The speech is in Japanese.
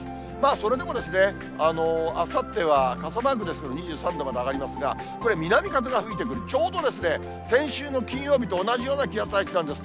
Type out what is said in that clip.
それでもあさっては傘マークですけど、２３度まで上がりますが、これ、南風が吹いてくる、ちょうどですね、先週の金曜日と同じような気圧配置なんです。